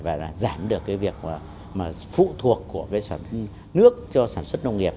và giảm được việc phụ thuộc của nước cho sản xuất nông nghiệp